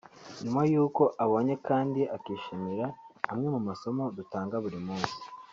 nyuma y’uko abonye kandi akishimira amwe mu masomo dutanga buri munsi